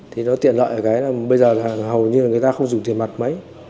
thì nó tiện lợi ở cái bây giờ là hầu như người ta không dùng tiền mặt mấy